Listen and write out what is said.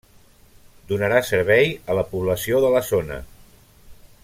Donarà servei a la població de la zona.